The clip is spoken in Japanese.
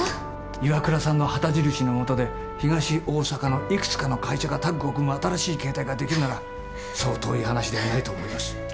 ＩＷＡＫＵＲＡさんの旗印のもとで東大阪のいくつかの会社がタッグを組む新しい形態ができるならそう遠い話ではないと思います。